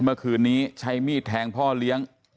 เมื่อคืนนี้ใช้มีดแทงพ่อเลี้ยง